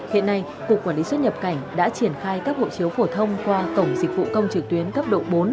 hiện nay cục quản lý xuất nhập cảnh đã triển khai các hộ chiếu phổ thông qua cổng dịch vụ công trực tuyến cấp độ bốn